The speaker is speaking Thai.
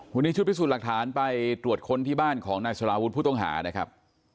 วันนี้ชุดพิสูจน์หลักฐานไปตรวจค้นที่บ้านของนายสารวุฒิผู้ต้องหานะครับ